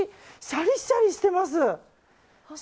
シャリシャリしてます。